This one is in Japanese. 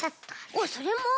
おっそれも？